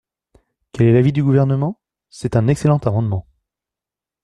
Quel est l’avis du Gouvernement ? C’est un excellent amendement.